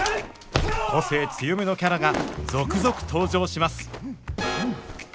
個性強めのキャラが続々登場します